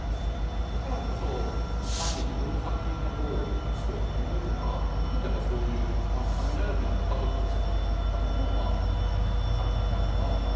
だからこそ単に自分の作品がどうこうっていうよりは僕にとってはやっぱそういう『仮面ライダー』っていうのは家族を繋ぐための作品なのかなと思っていますね。